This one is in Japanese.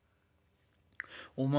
お前